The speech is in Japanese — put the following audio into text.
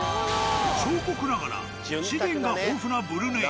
小国ながら資源が豊富なブルネイ。